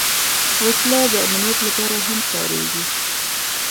وسله د امنیت لپاره هم کارېږي